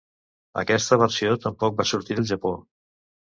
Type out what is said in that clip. Aquesta versió tampoc va sortir del Japó.